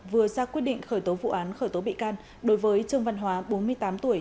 vừa ra quyết định khởi tố vụ án khởi tố bị can đối với trương văn hóa bốn mươi tám tuổi